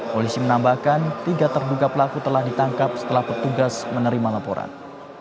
polisi menambahkan tiga terduga pelaku telah ditangkap setelah petugas menerima laporan